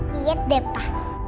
lihat deh pa